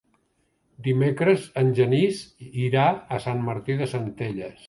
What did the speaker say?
Dimecres en Genís irà a Sant Martí de Centelles.